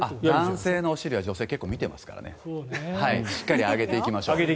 男性のお尻は女性、結構見てますからしっかり上げていきましょう。